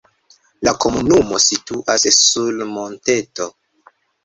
La komunumo situas sur monteto.